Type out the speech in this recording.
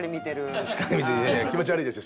気持ち悪いでしょ